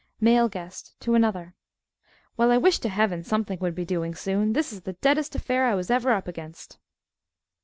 _) MALE GUEST (to another) Well, I wish to heaven, something would be doing soon. This is the deadest affair I was ever up against.